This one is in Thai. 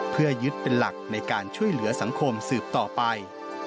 เพื่อยึดเป็นหลักในการช่วยเหลือสังคมสืบต่อไป